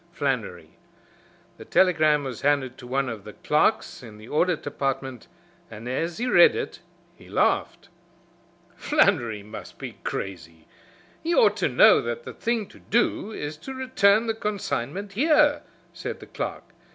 Flannery." The telegram was handed to one of the clerks in the Audit Department, and as he read it he laughed. "Flannery must be crazy. He ought to know that the thing to do is to return the consignment here," said the clerk.